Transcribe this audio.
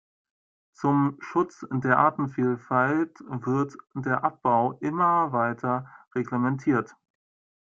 Zum Schutz der Artenvielfalt wird der Abbau immer weiter reglementiert.